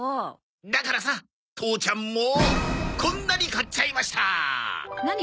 だからさ父ちゃんもこんなに買っちゃいました！